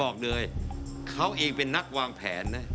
เขาเองเป็นนักวางแผนนะ